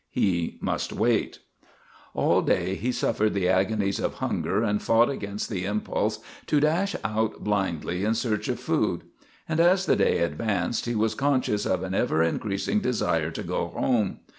He must wait. All day he suffered the agonies of hunger and fought against the impulse to dash out blindly in search of food. And as the day advanced he was conscious of an ever increasing desire to go home.